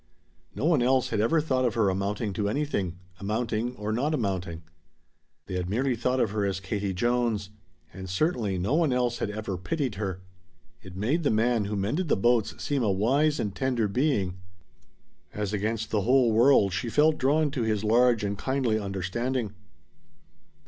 No one else had ever thought of her amounting to anything amounting, or not amounting. They had merely thought of her as Katie Jones. And certainly no one else had ever pitied her. It made the man who mended the boats seem a wise and tender being. As against the whole world she felt drawn to his large and kindly understanding.